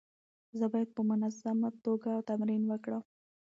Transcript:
زه باید په منظمه توګه تمرین وکړم.